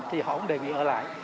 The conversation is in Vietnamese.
thì họ không để người ở lại